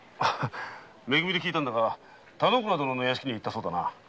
め組で聞いたんだが田之倉殿の屋敷へ行ったそうだな。